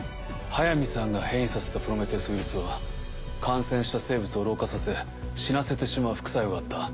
速水さんが変異させたプロメテウス・ウイルスは感染した生物を老化させ死なせてしまう副作用があった。